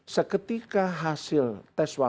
seketika hasil tes wakil